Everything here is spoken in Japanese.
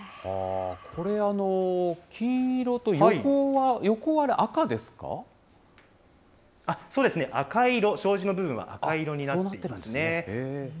これ、金色と、そうですね、赤い色、障子の部分は赤色になっていますね。